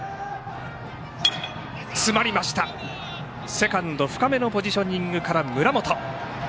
セカンド深めのポジショニングから村本。